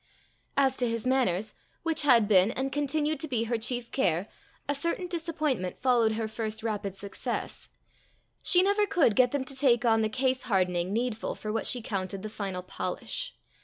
As to his manners, which had been and continued to be her chief care, a certain disappointment followed her first rapid success: she never could get them to take on the case hardening needful for what she counted the final polish.